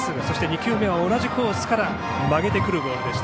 そして２球目は同じコースから曲げてくるボール。